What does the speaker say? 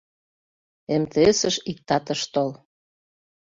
МТС-ыш иктат ыш тол.